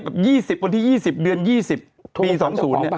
๒๐วันที่๒๐เดือน๒๐ปี๒๐เนี่ย